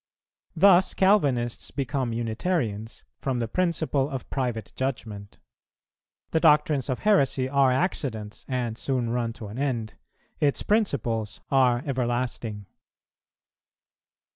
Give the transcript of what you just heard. Thus Calvinists become Unitarians from the principle of private judgment. The doctrines of heresy are accidents and soon run to an end; its principles are everlasting.